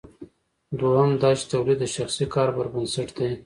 دویم دا چې تولید د شخصي کار پر بنسټ دی.